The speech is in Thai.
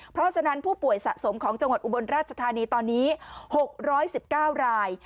เพราะฉะนั้นผู้ป่วยสะสมของจังหวัดอุบลราชธานีตอนนี้๖๑๙ราย